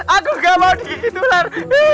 aku gak mau digigit ular